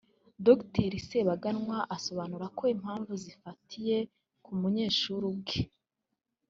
Dr Sebaganwa asobanura ko impamvu zifatiye ku munyeshuri ubwe